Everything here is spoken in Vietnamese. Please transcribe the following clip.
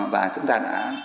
và chúng ta đã